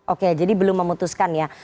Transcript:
oke jadi belum memutuskan ya